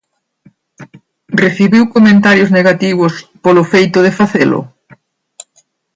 Recibiu comentarios negativos polo feito de facelo?